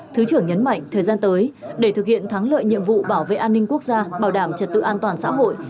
thứ trưởng nhấn mạnh thời gian tới để thực hiện thắng lợi nhiệm vụ bảo vệ an ninh quốc gia bảo đảm trật tự an toàn xã hội